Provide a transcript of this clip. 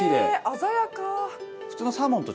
鮮やか！